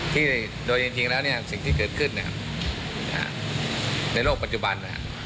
ที่โดยจริงแล้วเนี่ยสิ่งที่เกิดขึ้นในโลกปัจจุบัน